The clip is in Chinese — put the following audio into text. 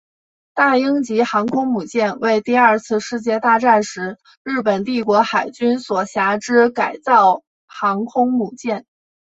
大鹰级航空母舰为第二次世界大战时日本帝国海军所辖之改造航空母舰。